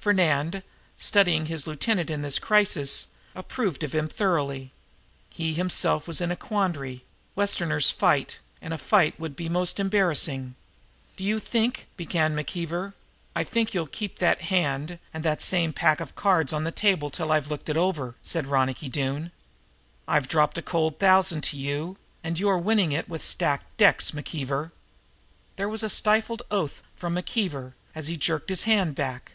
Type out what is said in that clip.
Fernand, studying his lieutenant in this crisis, approved of him thoroughly. He himself was in a quandary. Westerners fight, and a fight would be most embarrassing. "Do you think " began McKeever. "I think you'll keep that hand and that same pack of cards on the table till I've had it looked over," said Ronicky Doone. "I've dropped a cold thousand to you, and you're winning it with stacked decks, McKeever." There was a stifled oath from McKeever, as he jerked his hand back.